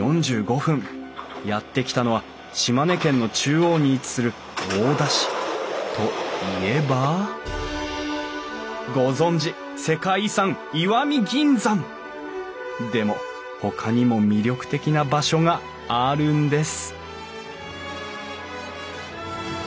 やって来たのは島根県の中央に位置する大田市。といえばご存じ世界遺産石見銀山！でもほかにも魅力的な場所があるんです